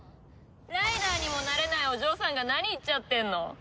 ライダーにもなれないお嬢さんが何言っちゃってんの？